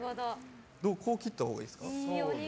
こう切ったほうがいいですか。